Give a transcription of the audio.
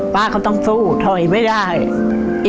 ก็ต้องสู้ถอยไม่ได้